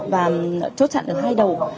và chốt chặn ở hai đầu